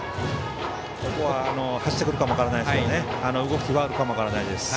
ここは走ってくるかも分からないですね。